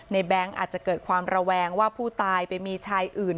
แบงค์อาจจะเกิดความระแวงว่าผู้ตายไปมีชายอื่น